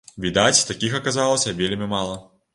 Відаць, такіх аказалася вельмі мала.